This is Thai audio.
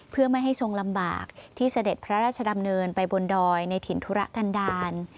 เพื่อไม่ให้ทรงลำบากที่เสด็จพระราชดำเนินไปบนดอยในถิ่นธุระกันดาล